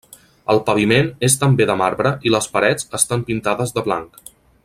El paviment és també de marbre i les parets estan pintades de blanc.